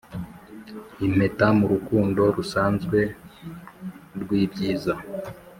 impeta mu rukundo rusanzwe rwibyiza.